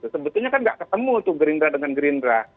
sebetulnya kan nggak ketemu tuh gerindra dengan gerindra